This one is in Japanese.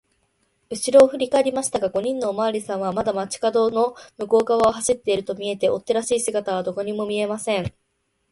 うしろをふりかえりましたが、五人のおまわりさんはまだ町かどの向こうがわを走っているとみえて、追っ手らしい姿はどこにも見えません。